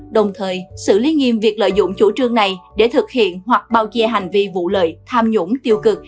đồng thời xử lý nghiêm việc lợi dụng chủ trương này để thực hiện hoặc bao che hành vi vụ lợi tham nhũng tiêu cực